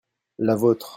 la vôtre.